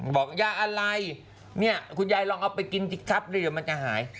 บอกยาอะไรเนี่ยคุณยายลองเอาไปกินสิครับเดี๋ยวมันจะหาย